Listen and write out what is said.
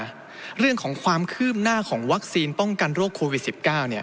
เรื่องของความคืบหน้าของวัคซีนป้องกันโรคโควิด๑๙